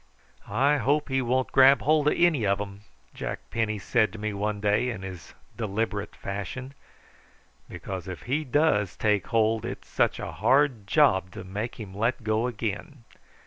"I hope he won't grab hold of any of 'em," Jack Penny said to me one day in his deliberate fashion; "because if he does take hold it's such a hard job to make him let go again.